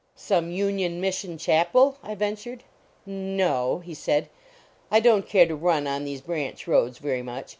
"Some Union Mission chapel?" I ven tured. "N no," he said, "I don t care to run on these branch roads very much.